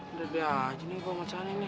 udah deh aja nih gue sama sani nih